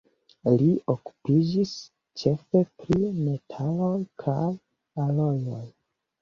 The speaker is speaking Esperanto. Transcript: Li okupiĝis ĉefe pri metaloj kaj alojoj.